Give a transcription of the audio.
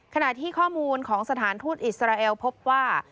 ขณะที่ข้อมูลของสถานทูตอิสราเอลพบว่า